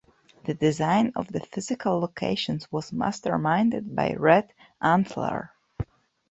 The design of the physical locations was masterminded by Red Antler.